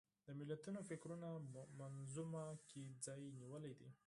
د ملتونو فکري منظومه کې ځای نیولی دی